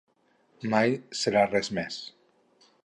Mai serà res més.